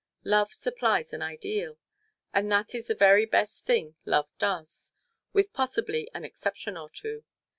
Love supplies an ideal and that is the very best thing love does, with possibly an exception or two.